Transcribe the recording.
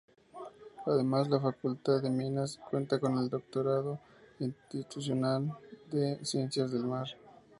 Además, la Facultad de Minas cuenta con el Doctorado interinstitucional en Ciencias del Mar.